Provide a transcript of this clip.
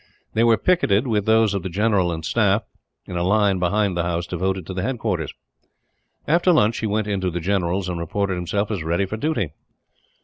They were picketed, with those of the general and staff, in a line behind the house devoted to the headquarters. After lunch he went into the general's, and reported himself as ready for duty.